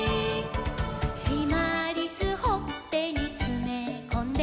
「しまりすほっぺにつめこんで」